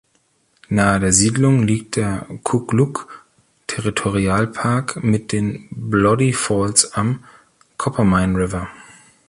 Nahe der Siedlung liegt der Kugluk-Territorialpark mit den Bloody Falls am Coppermine River.